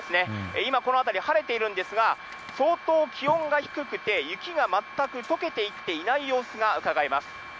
今、この辺り、晴れているんですが、相当気温が低くて、雪が全くとけていっていない様子が伺えます。